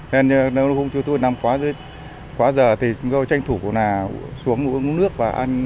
nên nếu hôm trước tôi nằm quá giờ thì chúng tôi tranh thủ là xuống uống nước và ăn